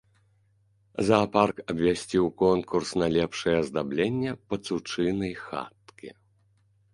Заапарк абвясціў конкурс на лепшае аздабленне пацучынай хаткі.